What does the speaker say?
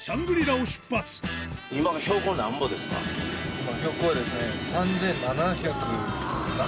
今標高はですね。